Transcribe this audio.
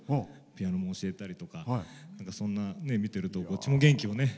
ピアノも教えたりとかそんな、見てるとこっちも元気をね。